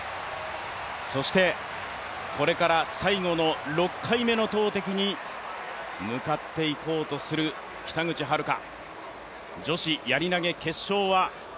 そしてこれから最後の６回目の投てきに向かっていこうとする北口榛花。